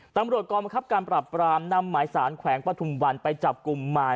ตำรวจกรมคับการปรับปรามนำหมายสารแขวงปฐุมวันไปจับกลุ่มหมาย